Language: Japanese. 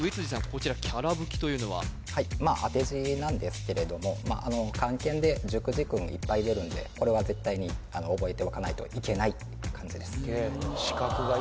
こちらきゃらぶきというのははいまあ当て字なんですけれども漢検で熟字訓いっぱい出るんでこれは絶対に覚えておかないといけない漢字です